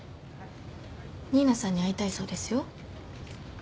新名さんに会いたいそうですよ。